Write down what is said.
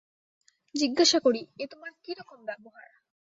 জিজ্ঞাসা করি, এ তোমার কী রকম ব্যবহার।